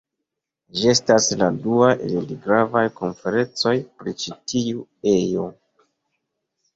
Ĝi estas la dua el du gravaj konferencoj pri ĉi tiu ejo.